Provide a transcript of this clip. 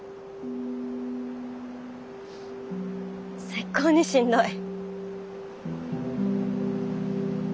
最高にしんどい。